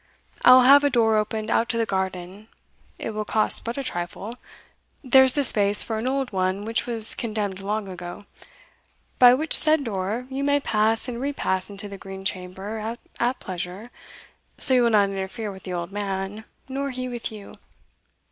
I will have a door opened out to the garden it will cost but a trifle there is the space for an old one which was condemned long ago by which said door you may pass and repass into the Green Chamber at pleasure, so you will not interfere with the old man, nor he with you.